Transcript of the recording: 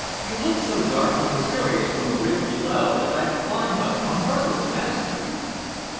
You looked so dark and mysterious from the ridge below that I've climbed up on purpose to ask you."